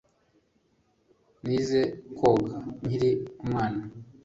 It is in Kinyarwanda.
Nize koga nkiri umwana